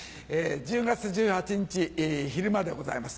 １０月１８日昼間でございます。